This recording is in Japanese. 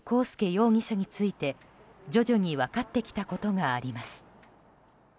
容疑者について、徐々に分かってきたことがあります。